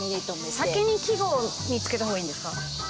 先に季語を見つけた方がいいんですか？